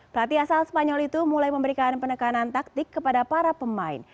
pelatih asal spanyol itu mulai memberikan penekanan taktik kepada para pemain